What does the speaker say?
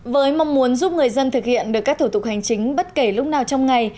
với mong muốn giúp người dân thực hiện được các thủ tục hành chính bất kể lúc nào trong ngày